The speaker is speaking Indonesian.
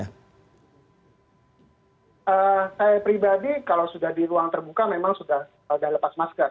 saya pribadi kalau sudah di ruang terbuka memang sudah lepas masker